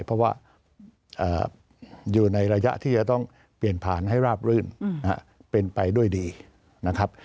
เพราะว่าอยู่ในระยะที่จะต้องเปลี่ยนผ่านให้ราบรื่นเป็นไปด้วยดีนะครับ